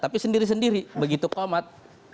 tapi sendiri sendiri begitu komat